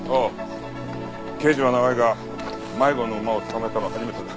刑事は長いが迷子の馬を捕まえたのは初めてだ。